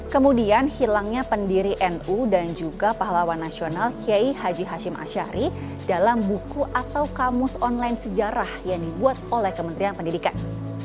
kemudian hilangnya pendiri nu dan juga pahlawan nasional kiai haji hashim ashari dalam buku atau kamus online sejarah yang dibuat oleh kementerian pendidikan